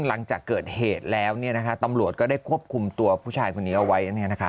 หลังจากเกิดเหตุแล้วตำรวจก็ได้ควบคุมตัวผู้ชายคนนี้เอาไว้